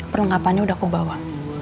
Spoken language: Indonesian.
perlengkapannya udah aku bawa